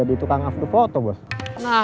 saya ada permintaan